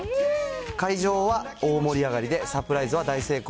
会場は大盛り上がりで、サプライズは大成功。